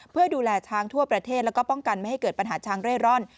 เพื่อดูแลช้างทั่วประเทศแล้วก็ป้องกันไม่ให้เกิดปัญหาช้างเร่ร่อน